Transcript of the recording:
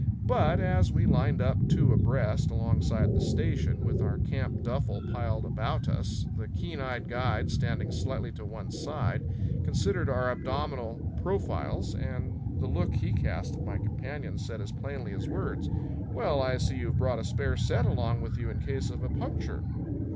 But as we lined up two abreast alongside the station, with our camp duffel piled about us, the keen eyed guide, standing slightly to one side, considered our abdominal profiles, and the look he cast at my companion said as plainly as words, "Well, I see you've brought a spare set along with you in case of a puncture."